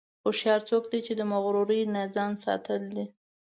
هوښیار څوک دی چې د مغرورۍ نه ځان ساتي.